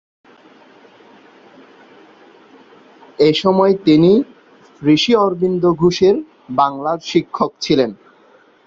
এসময় তিনি ঋষি অরবিন্দ ঘোষের বাংলার শিক্ষক ছিলেন।